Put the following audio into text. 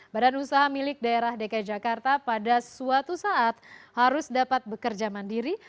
badan usaha milik daerah dki jakarta pada suatu saat harus dapat bekerja mandiri